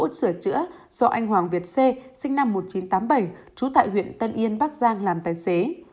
sửa chữa do anh hoàng việt xê sinh năm một nghìn chín trăm tám mươi bảy trú tại huyện tân yên bắc giang làm tài xế